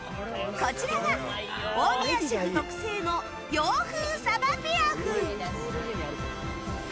こちらが大宮シェフ特製の洋風鯖ピラフ。